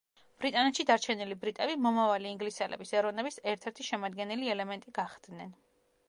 ბრიტანეთში დარჩენილი ბრიტები მომავალი ინგლისელების ეროვნების ერთ-ერთი შემადგენელი ელემენტი გახდნენ.